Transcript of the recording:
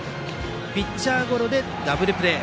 ピッチャーゴロでダブルプレー。